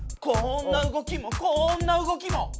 こんな動きもこんな動きも！